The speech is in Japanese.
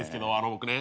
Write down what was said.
僕ね